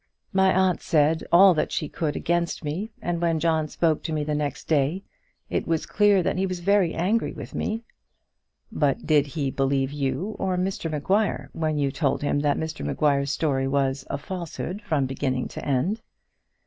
"My aunt said all that she could against me, and when John spoke to me the next day, it was clear that he was very angry with me." "But did he believe you or Mr Maguire when you told him that Mr Maguire's story was a falsehood from beginning to end?"